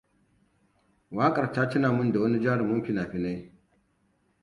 Wakar ta tuna min da wani jarumi fina-finai.